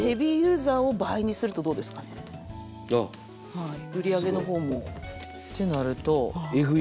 はい売り上げの方も。ってなると。